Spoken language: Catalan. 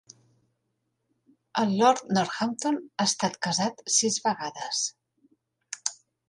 El Lord Northampton ha estat casat sis vegades.